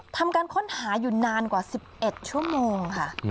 ทำการค้นหาอยู่นานกว่า๑๑ชั่วโมงค่ะ